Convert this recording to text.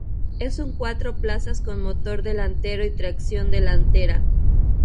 Es un cuatro plazas con motor delantero y tracción delantera.